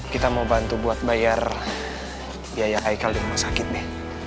kita mau bantu buat bayar biaya haikal di rumah sakit be